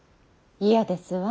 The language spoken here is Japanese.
嫌ですわ。